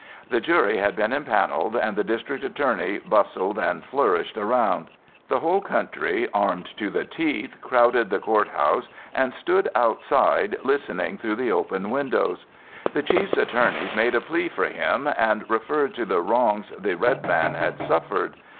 The jury had been impaneled and the District Attorney bustled and flourished around. The whole country armed to the teeth crowded the courthouse and stood outside listening through the open windows. The Chief's attorneys made a plea for him, and referred to the wrongs the red man had suffered.